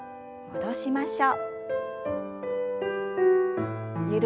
戻しましょう。